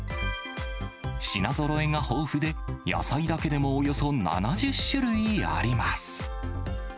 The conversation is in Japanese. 品ぞろえが豊富で、野菜だけでもおよそ７０種類あります。